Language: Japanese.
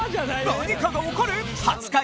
何かが起こる！？